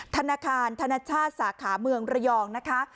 ธนาคารธนชาติสาขาเมืองระยองนะคะ